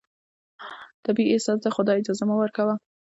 طبیعي احساس دی، خو دا اجازه مه ورکوه